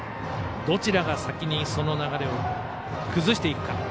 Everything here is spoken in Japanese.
どちらが先にその流れを崩していくか。